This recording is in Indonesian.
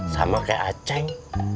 sama kayak aceng